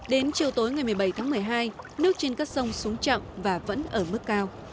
đến chiều tối ngày một mươi bảy tháng một mươi hai nước trên các sông xuống chậm và vẫn ở mức cao